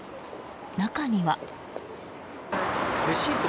中には。